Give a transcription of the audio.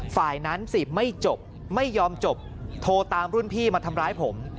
ฝ่ายนั้นสิไม่จบไม่ยอมจบโทรตามรุ่นพี่มาทำร้ายผม